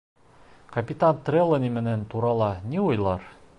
Капитан Трелони минең турала ни уйлар?